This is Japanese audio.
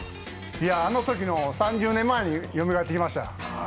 あのときの３０年前がよみがえってきました。